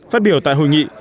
phát biểu tại hội nghị